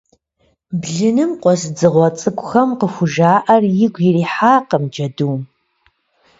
Блыным къуэс дзыгъуэ цӏыкӏухэм къыхужаӏэр игу ирихьакъым джэдум.